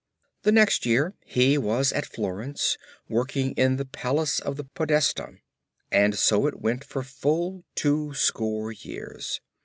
The next year he was at Florence, working in the Palace of the Podesta. And so it went for full two score years.